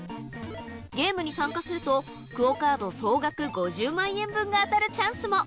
ゲームに参加すると、クオカード総額５０万円分が当たるチャンスも。